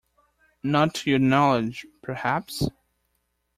Not to your knowledge, perhaps?